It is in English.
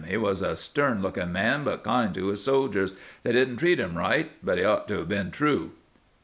He was a stern look ing man but kind to his soldiers. They didn't treat him right ... but he ought to have been true.